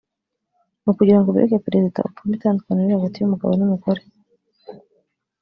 ni ukugira ngo bereke Perezida Obama itandukaniro riri hagati y’umugabo n’umugore